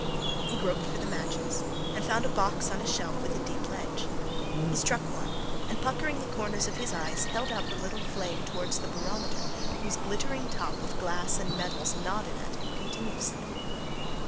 He groped for the matches, and found a box on a shelf with a deep ledge. He struck one, and puckering the corners of his eyes, held out the little flame towards the barometer whose glittering top of glass and metals nodded at him continuously.